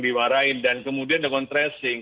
dimarahin dan kemudian dengan tracing